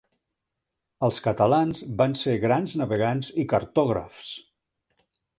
Els catalans van ser grans navegants i cartògrafs.